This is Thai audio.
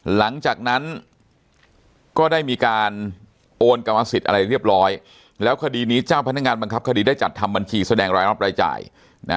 หลังจากนั้นก็ได้มีการโอนกรรมสิทธิ์อะไรเรียบร้อยแล้วคดีนี้เจ้าพนักงานบังคับคดีได้จัดทำบัญชีแสดงรายรับรายจ่ายนะ